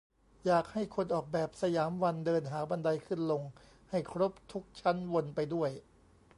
อยากให้คนออกแบบสยามวันเดินหาบันไดขึ้นลงให้ครบทุกชั้นวนไปด้วย